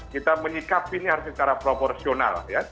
kita menyikapi ini harus secara proporsional ya